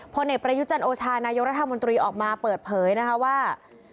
พอเน็ตประยุจันโอชาณายกรัฐมนตรีออกมาเปิดเผยว่า